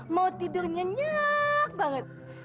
mau tidurnya nyak banget